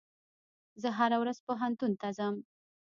زه هره ورځ پوهنتون ته ځم.